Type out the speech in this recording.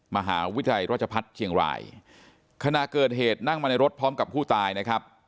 มหาวิทยาลัยราชพัฒน์เชียงรายขณะเกิดเหตุนั่งมาในรถพร้อมกับผู้ตายนะครับ